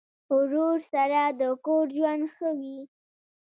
ورور سره د کور ژوند ښه وي.